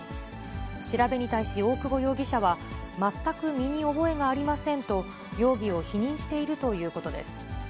調べに対し、大久保容疑者は、全く身に覚えがありませんと、容疑を否認しているということです。